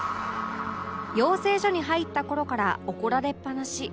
養成所に入った頃から怒られっぱなし